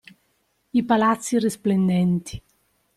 I palazzi risplendenti… .